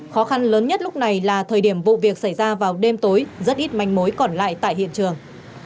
khó khăn lớn nhất lúc này là thời điểm vụ việc xảy ra vào đêm tối rất ít manh mối còn lại tại hiện trường